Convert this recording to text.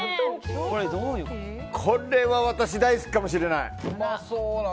これは私、大好きかもしれない。